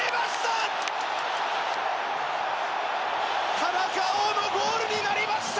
田中碧のゴールになりました！